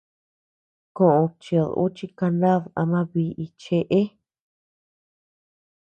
Koʼöd chíd ú chi kanad ama bíʼi cheʼe.